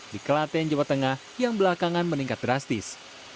di kelaten jawa tengah yang belakangan meningkat drastis